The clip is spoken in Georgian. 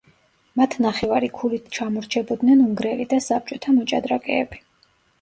მათ ნახევარი ქულით ჩამორჩებოდნენ უნგრელი და საბჭოთა მოჭადრაკეები.